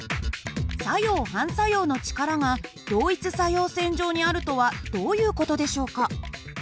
作用・反作用の力が同一作用線上にあるとはどういう事でしょうか？